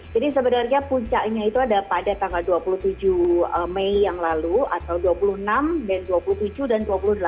jadi sebenarnya puncaknya itu ada pada tanggal dua puluh tujuh mei yang lalu atau dua puluh enam dan dua puluh tujuh dan dua puluh delapan